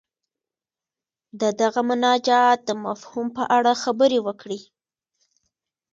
د دغه مناجات د مفهوم په اړه خبرې وکړي.